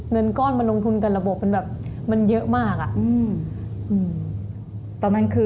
เงินก้อนมาลงทุนกันระบบมันเยอะมาก